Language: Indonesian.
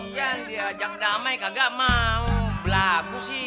iya diajak damai kagak mau belaku sih